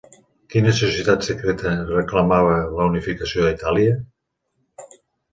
Quina societat secreta reclamava la unificació d'Itàlia?